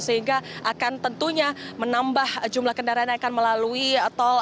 sehingga akan tentunya menambah jumlah kendaraan yang akan melalui tol